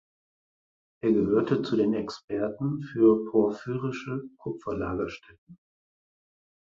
Er gehörte zu den Experten für porphyrische Kupferlagerstätten.